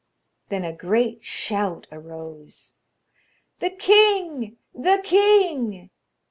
Then a great shout arose: 'The king! the king!'